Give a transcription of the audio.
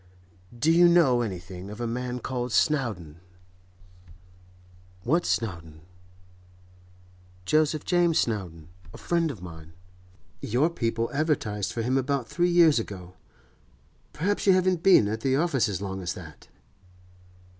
'Do you know anything of a man called Snowdon?' 'What Snowdon?' 'Joseph James Snowdon—a friend of mine. Your people advertised for him about three years ago. Perhaps you haven't been at the office as long as that?